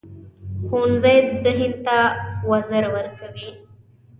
ښوونځی ذهن ته وزر ورکوي